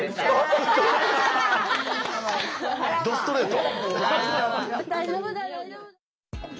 どストレート。